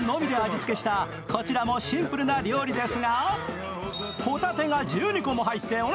こちらもシンプルな料理です。